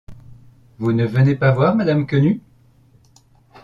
Vous ne venez pas voir, madame Quenu ?